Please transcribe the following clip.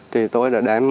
thì tôi đã đem